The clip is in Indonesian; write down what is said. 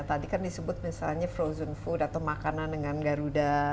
tadi kan disebut misalnya frozen food atau makanan dengan garuda